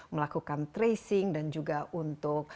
melakukan tracing dan juga untuk